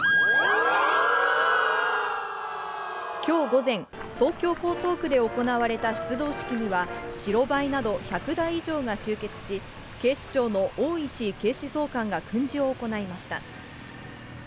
きょう午前、東京・江東区で行われた出動式には、白バイなど１００台以上が集結し、警視庁の大石警視総監が訓示を行いました。